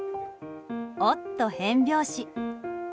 おっと、変拍子。